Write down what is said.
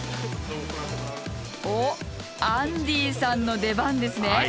おっＡＮＤＹさんの出番ですね！